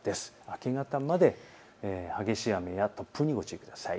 明け方まで激しい雨や突風にご注意ください。